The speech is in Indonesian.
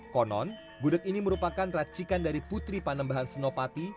konon gudeg ini merupakan racikan dari putri panembahan senopati